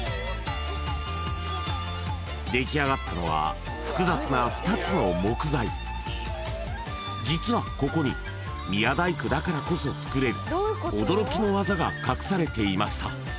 出来上がったのは複雑な２つの木材実はここに宮大工だからこそ作れる驚きのワザが隠されていました